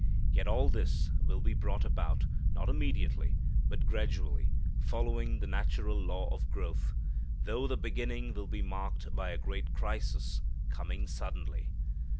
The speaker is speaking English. Yet all this will be brought about, not immediately, but gradually, following the natural law of growth; though the beginning will be marked by a great crisis, coming suddenly.